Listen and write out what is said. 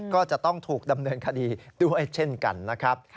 ก็จะต้องถูกดำเนินคดีด้วยเช่นกันนะครับ